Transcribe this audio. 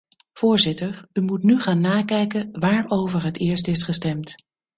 Voorzitter, u moet nu gaan nakijken waarover het eerst is gestemd.